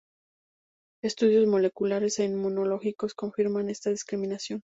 Estudios moleculares e inmunológicos confirman esta discriminación.